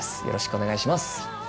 よろしくお願いします。